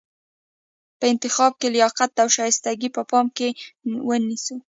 په انتخاب کې لیاقت او شایستګي په پام کې ونیسو.